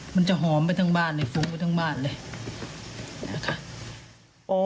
มันจะหอมไปทั้งบ้านในฟุ้งไปทั้งบ้านเลยนะคะ